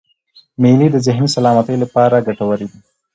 مېلې د ذهني سلامتۍ له پاره ګټوري يي.